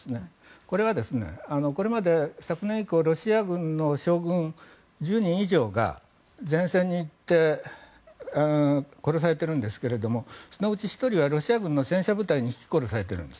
これは、これまで昨年以降ロシア軍の将軍１０人以上が前線に行って殺されているんですけれどもそのうち１人はロシア軍の戦車部隊にひき殺されているんです。